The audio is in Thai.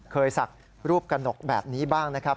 ศักดิ์รูปกระหนกแบบนี้บ้างนะครับ